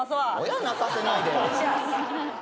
親泣かせないで。